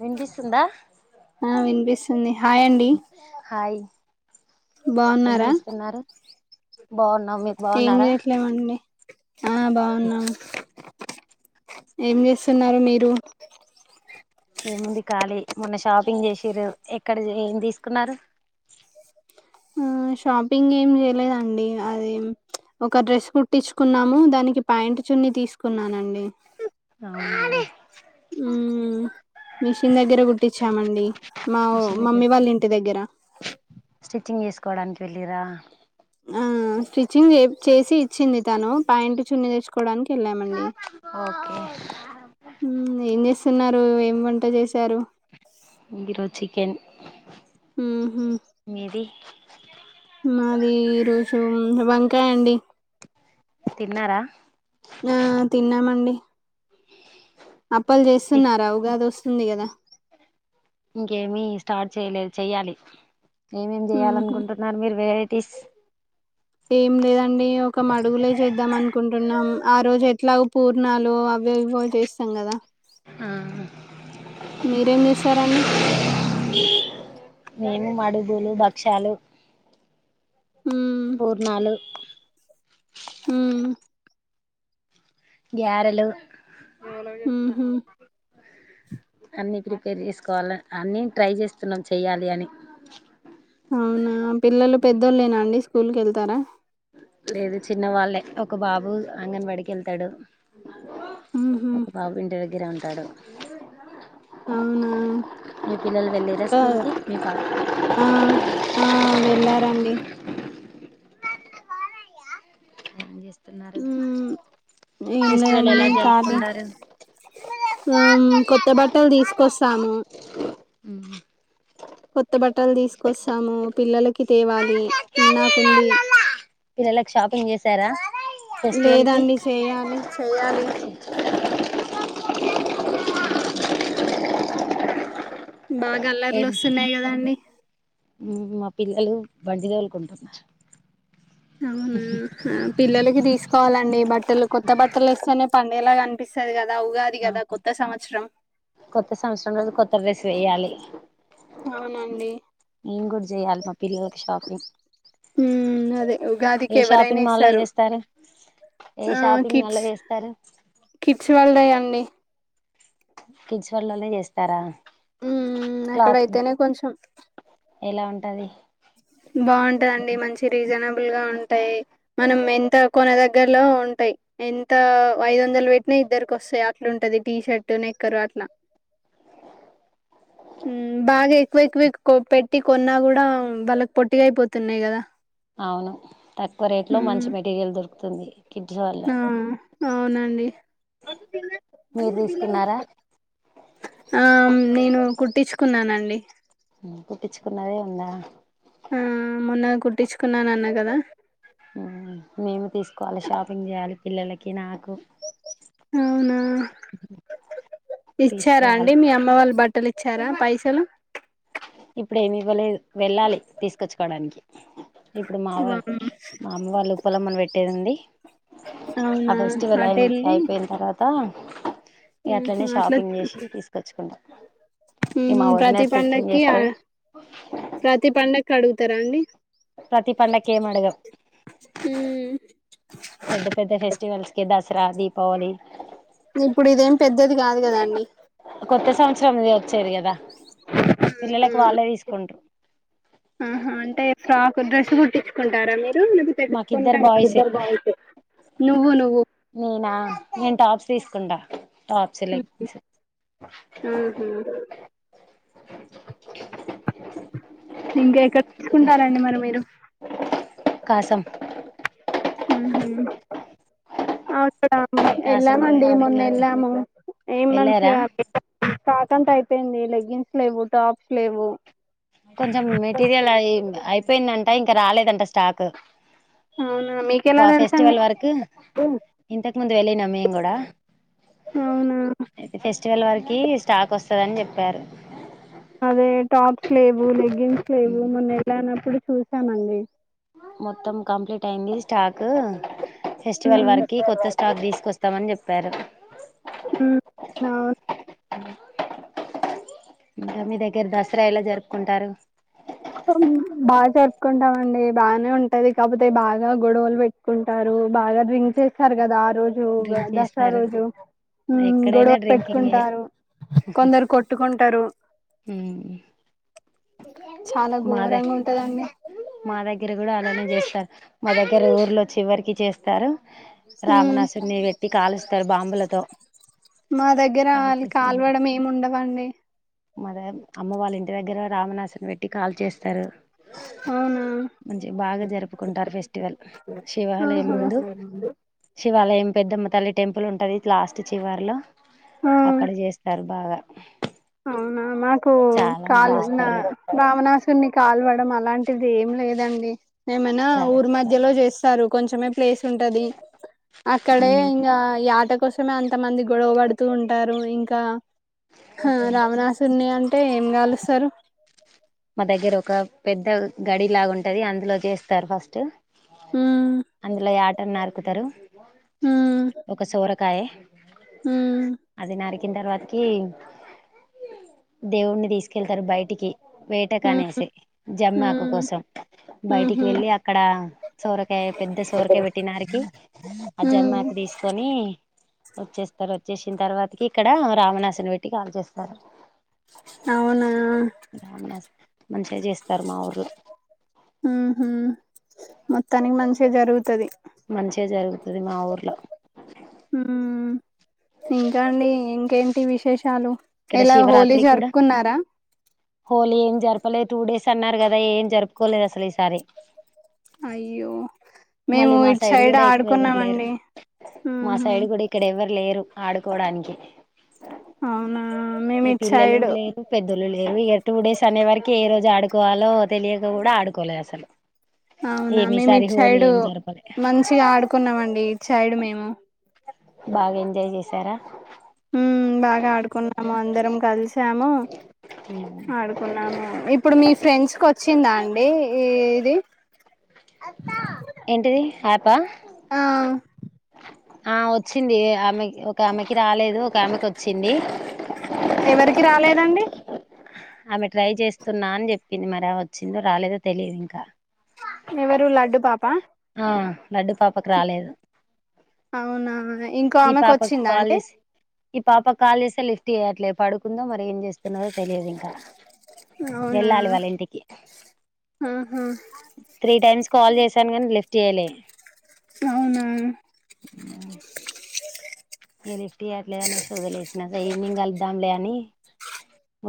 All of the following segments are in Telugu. వినిపిస్తుందా ఆ వినిపిస్తుంది హాయ్ అండి హాయ్ ఏం బాగున్నారా చేస్తున్నారు బాగున్నాం మీరు ఏం బాగున్నారా చేయట్లేదండి ఆ బాగున్నాం ఏం చేస్తున్నారు మీరు ఏముంది ఖాలీ మొన్న షాపింగ్ చేసిర్రు ఎక్కడ ఏం తీసుకున్నారు మ్మ్ షాపింగ్ ఏమి చేయలేదండి అది ఒక డ్రెస్ కుట్టించుకున్నాము దానికి ప్యాంట్ చున్ని తీసుకున్నానండి అవునా మ్మ్ మిషిన్ దగ్గర కుట్టించామండి మా మిషన్ దగ్గర మమ్మీ వాళ్ళ ఇంటి దగ్గర స్టిచింగ్ చేసుకోవడానికి వెళ్ళిరా ఆ స్టిచ్చింగ్ చెప్-చేసి ఇచ్చింది తను పాంట్ చున్న తెచ్చుకోవడానికి వెళ్ళామండి ఓకే చున్నారు ఏం వంట చేశారు గి రోజు చికెన్ మ్మ్ హు మీది ఉమ్ హు వంకాయండి తిన్నారా ఆ తిన్నామండి అప్పాలు చేస్తున్నారా ఉగాది వస్తుంది కదా ఇంకేమి స్టార్ట్ చేయలేదు చెయ్యాలి ఏమేమి ఉహు చెయాలనుకుంటున్నారు మీరు వేరే టిస్ ఏం లేదండి ఒక మడుగులే చేద్దాం అనుకుంటున్నాం ఆ రోజు ఎట్లాగో పూర్ణాలు అవో ఇవో చేస్తాం కదా ఆ మీరేం చేశారండి మేము మడుగులు భక్ష్యాలు ఉమ్ పూర్ణాలు ఉమ్ గ్యారలు ఉహు అన్నీ ప్రిపేర్ చేసుకోవాల అన్ని ట్రై చేస్తున్నాం చెయ్యాలి అని అవునా పిల్లలు పెద్దోళ్ళేనా అండి స్కూల్ కెళ్తారా లేదు చిన్న వాళ్ళే ఒక బాబు అంగన్ వాడికి వెళ్తాడు ఉహు ఒక బాబు ఇంటి దగ్గరే ఉంటాడు అవునా మీ పిల్లలు వెళ్ళేరా కా స్కూల్కి మీ పాప ఆ ఆ వెళ్ళారండి [unintelligible] ఉన్నారు ఉమ్ ఏం లేదండి కాలీ ఉమ్ కొత్త బట్టలు తీసుకొస్తాము ఉమ్ కొత్త బట్టలు తీసుకొస్తాము పిల్లలకి తేవాలి నాకుంది పిల్లలకి షాపింగ్ చేసారా ఫెస్టివల్ కి లేదండి చేయాలి చెయ్యాలి బాగా అల్లర్లు ఏమి వస్తున్నాయి కదాండి మా పిల్లలు బండిదలుకుంటున్నారు అవునా పిల్లలకి ఆ తీసుకోవాలండి బట్టలు కొత్త బట్టలు వస్తనే పండేలా కనిపిస్తది కదా ఉగాది ఆ కదా కొత్త సంవత్సరం కొత్త సంవత్సరం రోజు కొత్త డ్రెస్ వేయాలి అవునండి మేము కూడా చెయాలి మా పిల్లలకి షాపింగ్ ఉమ్ అదే ఉగాదికి ఏ ఎవరైనా షాపింగ్ మాలో ఇస్తారు చేస్తారు ఏ ఆ షాపింగ్ మాలో కిడ్స్ చేస్తారు కిడ్స్ వాళ్ళే అండి కిడ్స్ వేర్ లోనే చేస్తారా ఉమ్ క్లాత్ అక్కడయితేనే కొంచెం ఎలా ఉంటది బాగుంటదండి మంచి రీజనల్ నబుల్ ఉంటాయి మనం ఎంత కొన దగ్గరలో ఉంటాయి ఎంత ఐదు వందలు పెట్టినా ఇద్దరికోస్తాయి అట్లుంటది టీ షర్ట్ నెక్కరు అట్లా [inaudible] ఉమ్ బాగా ఎక్కువ ఎక్కువ పెట్టి కొన్నా కూడా వాళ్ళక్ పొట్టిగాయిపోతున్నాయి కదా అవును తక్కువ రేట్ లో మంచి మెటీరియల్ దొరుకుతుంది కిడ్స్ వరల్డ్ లో ఆ అవునండి మీరు తీసుకున్నారా ఆ నేను కుట్టించుకున్నానండి కుటిచ్చుకున్నదే ఉందా ఆ మొన్న కుట్టించుకున్నా అన్న కదా ఉమ్ మేము తీసుకోవాలి షాపింగ్ చేయాలి పిల్లలకి నాకు అవునా ఇచ్చారా అండి తీసుకోవాలి మీ అమ్మ వాళ్ళ బట్ బట్టలు ఇచ్చారా పైసలు ఇప్పుడేం ఇవ్వలేదు వెళ్ళాలి తీసుకొచ్చుకోవడానికి ఇప్పుడు మా వాళ్ళ వామ్మో! మా అమ్మ వాళ్ళు ఉప్పలమ్మన పెట్టేదుంది ఆ అవునా! ఫెస్టివల్ అయి అటెళ్ళి అయిపోయిన తర్వాత త ఇ అట్లనే హుహు. షాపింగ్ చేసి తీసుకొచ్చుకుంటా మ్హ్ ప్రతి పండక్కి అ చేస్తది ప్రతి పండుక్కి అడుగుతరా అండి ప్రతి పండక్కి ఏం అడగం మ్ పెద్ద పెద్ద ఫెస్టివల్స్ కి దసరా దీపావళి ఇప్పుడు ఇదేం పెద్దది కాదు కదండి కొత్త సంవత్సరం అ సరి గదా పిల్లలకి వాళ్ళే తీసుకుంట్రు ఆహా అంటే ఫ్రాక్ డ్రెస్ గుట్టించుకుంటారా మీ మాకిద్దరు బాయ్సే నువ్వు నువ్వు నేనా నేను టాప్స్ తీసుకుంటా టాప్స్లక్ ఆహా ఇంకెక్కడ తీసుకుంటారండి మరి మీరు కాశం ఆ కాసంలో ఎళ్ళామండి అయితేనే మొన్న క్లాత్ ఎళ్ళాము ఏం వెళ్ళారా మంచిగా కాకుంట అయి పోయింది లెగ్గిన్స్ లేవు టాప్స్ లేవు కొంచెం మెటీరియల్ అయి అయిపోయిందంట రాలేదంట స్టాక్ అవునా మీకెలా ఫ తెలుసండి ఫెస్టివల్ వరకు ఇంత ముందు వెళ్ళినమేము గూడా అవునా ఫెస్టివల్ వరకు కి స్టాక్ ఒస్తదని జెప్పారు అదే టాప్స్ లేవు లెగింగ్స్ లేవు మొన్న ఎళ్ళానప్పుడు చూసామండి మొత్తం కంప్లీట్ అయింది స్టాక్ ఫెస్టివల్ వరకి కొత్త స్టాక్ దీస్కొస్తా తం అన్ జెప్పారు మ్ అవు ఇంగ మీ దగ్గర దసరా ఎల జరుపుకుంటారు బా జరుపుకుంటామండి బానే ఉంటది కాకపోతే బాగా గొడవలు పెట్టుకుంటారు బాగా డ్రింక్ చేస్తారు గదా ఆ రోజు డ్రింక్ దసరా చేస్తారు రోజు మ్ ఎక్కడైనా గొడవ డ్రింకింగే పెట్టుకుంటారు కొందరు కొట్టుకుంటరు మ్ చాలా మాదె ఘోరంగా ఉంటదండి మాద దగ్గర గూడా అలానే చేస్తారు మా దగ్గర ఊర్లో చివరికి చేస్తారు ఉమ్ రావణాసు వెట్టి కాలుస్తరు బాంబులతో మా దగ్గర కాల్చేసి కాల్వడం ఏమ్ ఉండవండి మద అమ్మ వాళ్ళ ఇంటి దగ్గర రామణాసురుని వెట్టి కాల్చేస్తారు అవునా మంచిగ బాగ జరుపుకుంటారు ఫెస్టివల్ శివాలయం ఆహా ముందు శివాలయం పెద్దమ్మ తల్లి టెంపుల్ ఉంటది లాస్ట్ చివార్లో ఆ అక్కడ చేస్తారు బాగా అవునా మా మాకు చాలా కాల్ మంది నా వస్తారు రామణాసురిని కాల్వడం అలాంటిది ఏం లేదండి ఏమైనా రా ఊరి మధ్యలో జేస్తారు కొంచమే ప్లేస్ ఉంటది అక్కడే ఇంగ యాట కోసమే అంత మంది గొడవ బడుతూ ఉంటారు ఇంకా హ రావణాసురుని అంటే ఏం గాలుస్తరు మా దగ్గర ఒక పెద్ద గడి లాగుంటది అందులో చేస్తారు ఫస్ట్ ఉమ్ అందులో యాటను నరుకుతారు ఉమ్ ఒక సోరకాయ ఉమ్ అది నరికి కిన తర్వాతకి దేవుడిని తీసుకెళ్తారు బయటికి వేట ఉమ్ కనేసి జమ్మాకు ఉమ్ కోసం బయటికి ఉహు వెళ్ళి అక్కడ సోరకాయ పెద్ద సోరిక పెట్టినారికి ఆ ఉమ్ జమ్మాకి తీసుకొని వచ్చేస్తారు వచ్చేసిన తర్వాతకి ఇక్కడ రామనాాసుని పెట్టి కాల్చేస్తారు అవునా రామణస్ మంచిగా చేస్తారు మా ఊరు హహ మొత్తానికి మంచిగా జరుగుతుది మంచిగా జరుగుతది మా ఊర్లో ఇంకాండి ఇంకేంటి విశేషాలు ఇక్కడ ఇలా హోలీ శివరాత్రి కూడా జరుపుకున్నారా హోలీ ఏం జరపలేదు టూ డేస్ అన్నారు కదా ఏం జరుపుకోలేదు అసలు ఈసారి అయ్యో మేము మళ్ళీ మా ఇట్ సైడ్ కూడా ఎక్కువ ఎవరు లేరు ఆడుకున్నామండి మా హ్మ్మ్హాం సైడ్ కూడా ఇక్కడ ఎవరు లేరు ఆడుకోడానికి అవునా మేము ఈ ఇటు పిల్లలు సైడ్ లేరు పెద్దలు లేరు ఇక టూ డేస్ అనే వరకి ఏ రోజు ఆడే డుకోవాలో తెలియక గూడ ఆడుకోలే అసలు అవునా ఏమి మేము ఈసారి ఇట్ హోలీ సైడు ఏం జరపలే మంచిగా ఆడుకున్నామండి ఇట్ సైడు మేము బాగా ఎంజాయ్ జేశార హ్మ్మ్ బాగా ఆడుకున్నాము అందరం కలిసాము ఆడుకున్నాము ఇప్పుడు మీ ఫ్రెండ్స్ కి ఓచ్చిందా అండి ఇది ఏంటిది ఆపా ఆ ఆ వచ్చింది ఏ ఆమె ఒకమెకి రాలేదు ఒక ఆమెకు వచ్చింది ఎవరికి రాలేదండి ఆమె ట్రై చేస్తున్నా అని జేప్పింది మరి వచ్చిందో రాలేదో తెలిదు ఇంకా ఎవరు లడ్డు పాప ఆ లడ్డు పాపకు రాలేదు అవునా ఇంకో ఈ ఆమెకు పాపకు వచ్చిందా కాల్ అండి జేసి ఈ పాప కాల్ జేస్తే లిఫ్ట్ అట్లా పడుకుందో మరి ఏం చేస్తున్నదో తెలియదు ఇంకా అవునా వెళ్ళాలి వాళ్ళ ఇంటికి ఆహా త్రీ టైమ్స్ కాల్ చేసాను కాని లిఫ్ట్ చేయ్యాల అవునా ఆ [inaudible] నలిఫ్టీ చేవ్వట్లేదునే చోదిలేసినా స ఈవినింగ్ వెళ్దాంలే అని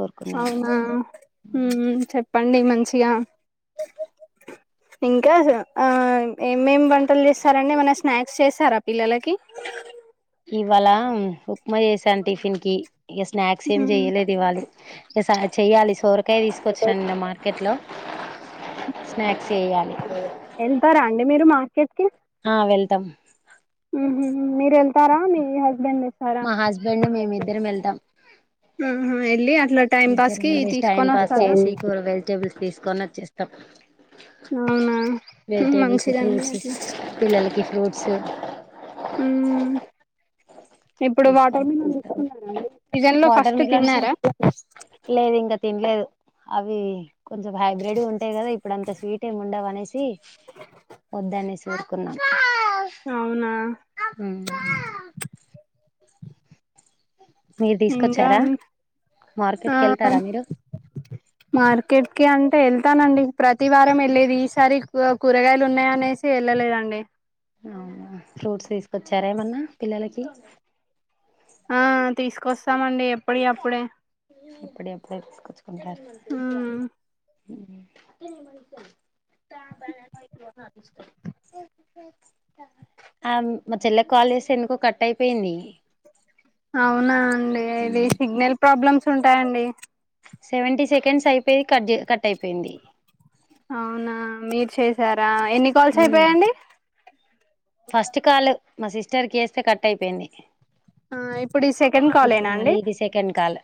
ఊరుకున్నా ఇగ అవునా చెప్పండి మంచిగా [unintelligible] ఇంకా ఏమేమి వంటలు చేస్తారండి ఏమన్న స్నాక్స్ చేస్తారా పిల్లలకి ఇవాళ ఉప్మా చేశాను టిఫిన్ కి ఇక స్నాక్స్ ఏమి ఉమ్, చెయలేదు ఇవాళు ఎ చెయ్యాలి సోరకాయ తీసుకొచ్చ రండి నా మార్కెట్లో స్నాక్స్ చేయాలి వెళ్తారా అండి మీరు మార్కెట్ కి ఆ వెళ్తామ్ మీరు వెళ్తారా మీ హస్బెండ్ తెస్తారా మా హస్బెండ్ మేమి ఇద్దర వెళ్తాం ఆహా వెళ్ళి అట్లా టైం పాస్ ఇద్దరు కి మళ్ళ టైం తీసుకొని పాస్ వస్తారా చేసి కూ వెజిటబుల్స్ తీసుకొని వచ్చేస్త అవునా ఉమ్, వెజిటేబల్స్ మంచిదండి ఫ్రూట్స్ అట్లా పిల్లలకి ఫ్రూట్ స మ్మ్ ఇప్పుడు వాటర్ తీసుకొని మిలన్ ఇస్తున్నారా సీజన్ లో వాటర్ ఫస్ట్ మిలన్స్ తిన్నారా లేదు ఇంకా తినలేదు అవి కొంచెం హైబ్రిడ్ ఉంటాయి కదా ఇప్పుడు అంత స్వీట్ ఏమి ఉండవు అనేసి దానే సూట్కున్నా అవునా మీరు ఇంకా తీసుకొచ్చారా ఆ మార్కెట్కి వెళ్తారా మీరు మార్కెట్ క అంత అే వెళ్తానండి ప్రతి వారం వెళ్ళలేది ఈసారి కూరగాయలు ఉన్నాయ అనేసి వెళ్ళలేదండి అవునా ఫ్రూట్స్ తీసుకొచ్చారా ఏమన్నా పిల్లలకి ఆ తీసుకొస్తామండి ఎప్పుడు అప్పుడే ఇప్పుడే అప్పుడే తీసుకొచ్చుకుంటారు ఉమ్ ఆ మా చెల్లె కాల్ చేసి ఎందుకో కట్ అయిపోయింది అవునా అండి ఇది సిగ్నల్ ప్రాబ్లమ్స్ ఉంటాయండి సెవెంటీ సెకండ్స్ అయిపోయిది కట్ కట్ అయిపోయింది అవునా మీరు చేసారా ఎన్ని కాల్స్ అయిపోయాడి ఫస్ట్ కాల్ మా సిస్టర్కిేస్తే కట్ అయిపోయింది ఆ ఇప్పుడు ఈ సెకండ్ కాల్ ఇప్పుడు మళ్ళీ అండి ఇది సెకండ్ కాల్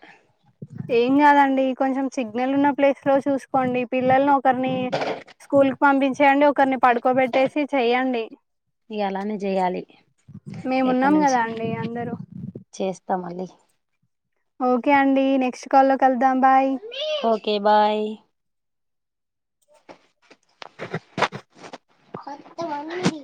ఏం కాదండి కొంచెం సిగ్నల్ ఉన్న ప్లేస్ లో చూసుకు కోండి పిల్లల్ని ఒకరిని స్కూల్ కి పంపించేయండి ఒకరిని పడుకోబెట్టేసి చెయ్యడి ఇ అలానే చేయాలి రేపటి మేమున్నాం నుంచి కదా అండి చేస్త అందరూ చేస్తా ఓకే అండి నెక్స్ట్ కాల్ ఓకే బాయ్ కొత్తడి